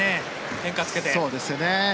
変化つけて。